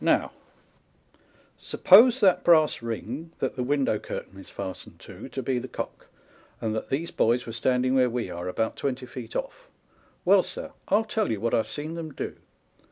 Now suppose that brass ring that the window curtain is fastened to, to be the cock, and that these boys were standing where we are, about twenty feet off â€" well, sir, I'll tell you what I have seen them do.